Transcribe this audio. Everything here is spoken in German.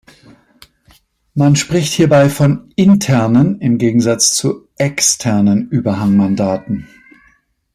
Man spricht hierbei von "internen" im Gegensatz zu "externen Überhangmandaten".